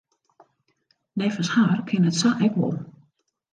Neffens har kin it sa ek wol.